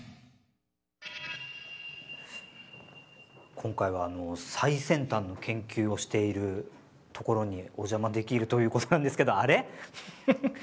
今回は最先端の研究をしているところにお邪魔できるということなんですけどあれ？